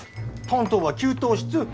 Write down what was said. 担当は給湯室。